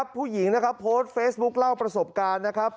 ผู้หญิงนะครับโพสต์เฟซบุ๊คเล่าประสบการณ์นะครับ